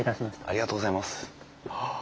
ありがとうございます。